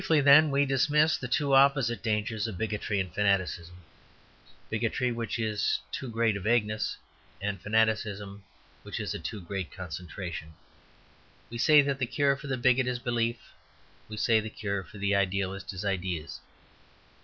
Briefly, then, we dismiss the two opposite dangers of bigotry and fanaticism, bigotry which is a too great vagueness and fanaticism which is a too great concentration. We say that the cure for the bigot is belief; we say that the cure for the idealist is ideas.